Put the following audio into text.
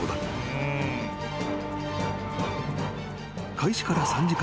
［開始から３時間。